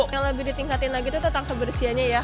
yang lebih ditingkatin lagi tuh tangga bersihannya ya